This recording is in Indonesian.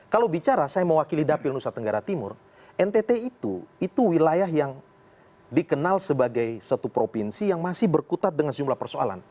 kalau bicara saya mewakili dapil nusa tenggara timur ntt itu itu wilayah yang dikenal sebagai satu provinsi yang masih berkutat dengan sejumlah persoalan